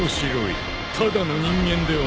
ただの人間ではないな。